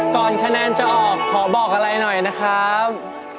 ก่อนคะแนนจะออกขอบอกอะไรหน่อยนะครับ